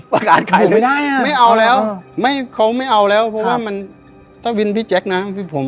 ประกาศขายเลยไม่เอาแล้วเขาไม่เอาแล้วเพราะว่ามันถ้าวินพี่แจ็คนะพี่ผม